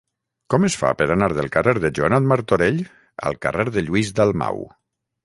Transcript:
Com es fa per anar del carrer de Joanot Martorell al carrer de Lluís Dalmau?